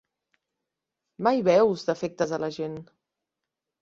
Mai veus defectes a la gent.